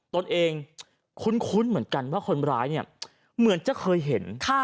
ตนเองคุ้นเหมือนกันว่าคนร้ายเนี่ยเหมือนจะเคยเห็น